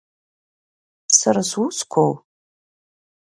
Сара сусқәоу?